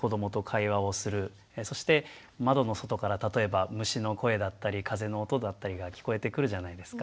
そして窓の外から例えば虫の声だったり風の音だったりが聞こえてくるじゃないですか。